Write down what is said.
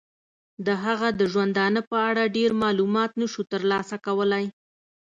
د هغه د ژوندانه په اړه ډیر معلومات نشو تر لاسه کولای.